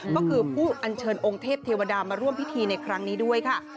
ก็คือผู้อัญเชิญองค์เทพเทวดามาร่วมพิธีในครั้งนี้ด้วยค่ะ